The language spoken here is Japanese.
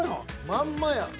まんまやん。